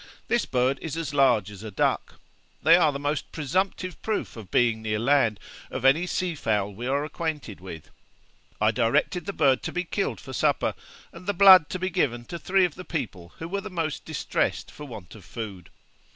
This bird is as large as a duck. They are the most presumptive proof of being near land, of any sea fowl we are acquainted with. I directed the bird to be killed for supper, and the blood to be given to three of the people who were the most distressed for want of food.